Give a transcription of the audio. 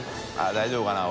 △大丈夫かな？